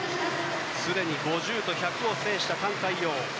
すでに５０と１００を制した、タン・カイヨウ。